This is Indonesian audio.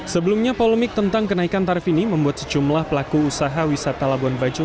sebelumnya polemik tentang kenaikan tarif ini membuat sejumlah pelaku usaha wisata labuan bajo